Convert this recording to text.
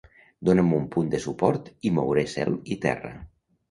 Dóna'm un punt de suport i mouré cel i terra.